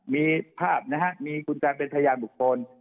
มีภาพนะฮะมีคุณตาเป็นพยานบุคคล